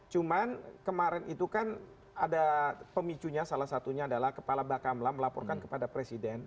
cuman kemarin itu kan ada pemicunya salah satunya adalah kepala bakamla melaporkan kepada presiden